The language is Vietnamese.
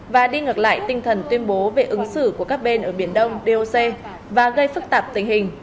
và đi ngược lại tinh thần tuyên bố về ứng xử của các bên ở biển đông doc và gây phức tạp tình hình